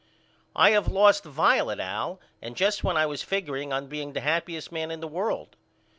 I have lost Violet Al and just when I was figureing on being the happyest man in the world.